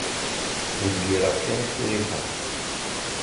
Ttdeggireɣ kan isurifen.